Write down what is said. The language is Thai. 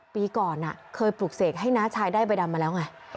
ปีก่อนเคยปลูกเสกให้น้าชายได้ใบดำมาแล้วไง